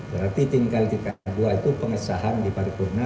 berarti tingkat tingkat dua itu pengesahan di pariwurna